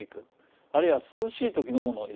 あるいは涼しい時のものを入れる。